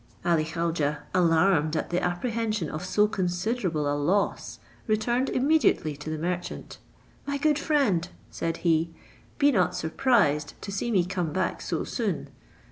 Ali Khaujeh, alarmed at the apprehension of so considerable a loss, returned immediately to the merchant. "My good friend," said he, "be not surprised to see me come back so soon.